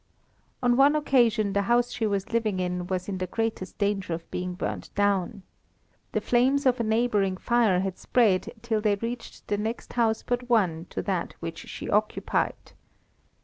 On one occasion the house she was living in was in the greatest danger of being burned down. The flames of a neighbouring fire had spread till they reached the next house but one to that which she occupied.